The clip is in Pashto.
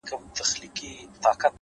خپل مسیر د حقیقت په رڼا برابر کړئ,